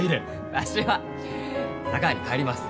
わしは佐川に帰ります。